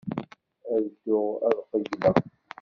Ad dduɣ ad qeyyleɣ.